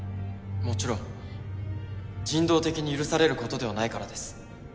もちろん人道的に許されることではないからです